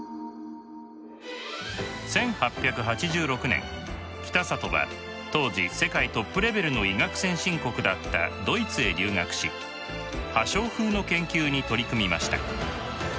１８８６年北里は当時世界トップレベルの医学先進国だったドイツへ留学し破傷風の研究に取り組みました。